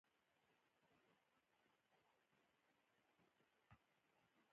کله ناکله ځان ته د خوښۍ د څو شېبو اجازه ورکړه.